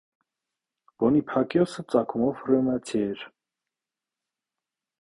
Բոնիփակիոսը ծագումով հռոմեացի էր։